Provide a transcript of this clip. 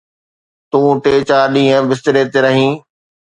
تون ٽي چار ڏينهن بستري تي رهين.